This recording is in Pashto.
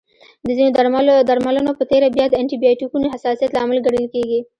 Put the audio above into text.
د ځینو درملنو په تېره بیا د انټي بایوټیکونو حساسیت لامل ګڼل کېږي.